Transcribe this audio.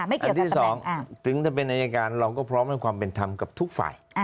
อันที่๒ถึงจะเป็นอายการเราก็พร้อมให้ความเป็นธรรมกับทุกฝ่าย